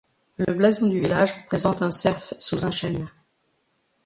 Le blason du village représente un cerf sous un chêne.